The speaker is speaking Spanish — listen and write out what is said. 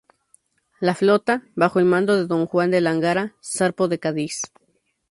La flota, bajo el mando de Don Juan de Lángara, zarpó de Cádiz.